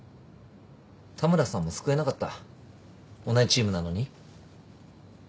田村さんも救えなかった同じチームなのに。